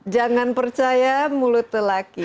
jangan percaya mulut lelaki